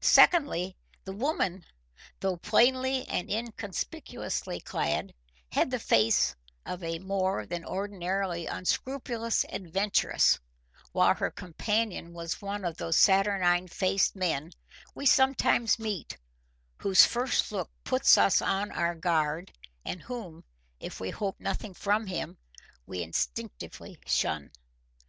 Secondly, the woman, though plainly and inconspicuously clad, had the face of a more than ordinarily unscrupulous adventuress, while her companion was one of those saturnine faced men we sometimes meet, whose first look puts us on our guard and whom, if we hope nothing from him, we instinctively shun.